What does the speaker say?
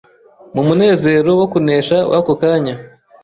mu munezero wo kunesha w'ako kanya